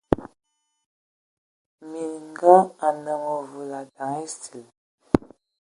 Minga anə məvul ndəm esil.